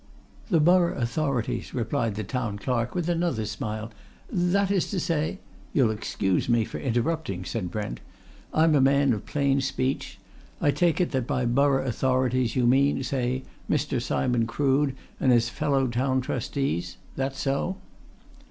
"The borough authorities," replied the Town Clerk, with another smile. "That is to say " "You'll excuse me for interrupting," said Brent. "I'm a man of plain speech. I take it that by borough authorities you mean, say, Mr. Simon Crood and his fellow Town Trustees? That so?"